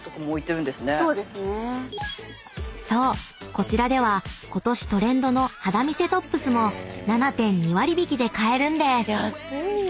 こちらではことしトレンドの肌見せトップスも７．２割引きで買えるんです］